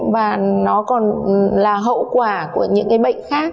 và nó còn là hậu quả của những cái bệnh khác